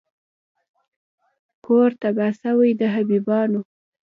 کور تباه سوی د حبیبیانو